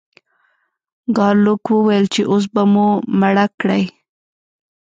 ګارلوک وویل چې اوس به مو مړه کړئ.